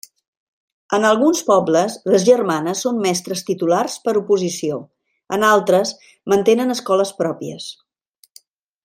En alguns pobles, les germanes són mestres titulars per oposició; en altres, mantenen escoles pròpies.